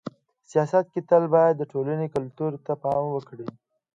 سیاست کي تل باید د ټولني کلتور ته پام وکړي.